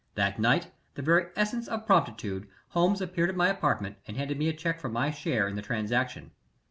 That night, the very essence of promptitude, Holmes appeared at my apartment and handed me a check for my share in the transaction.